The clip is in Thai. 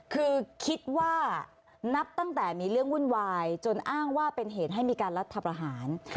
คือคิดว่านับตั้งแต่มีเรื่องวุ่นวายจนอ้างว่าเป็นเหตุให้มีการรัฐประหาร